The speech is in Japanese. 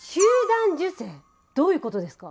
どういうことですか？